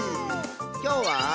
きょうは。